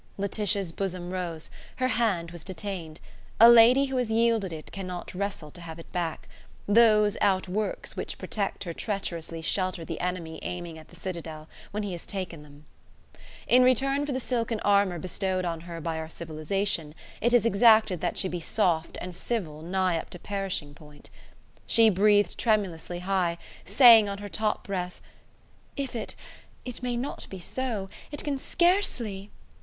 Laetitia's bosom rose: her hand was detained: a lady who has yielded it cannot wrestle to have it back; those outworks which protect her treacherously shelter the enemy aiming at the citadel when he has taken them. In return for the silken armour bestowed on her by our civilization, it is exacted that she be soft and civil nigh up to perishing point. She breathed tremulously high, saying on her top breath: "If it it may not be so; it can scarcely.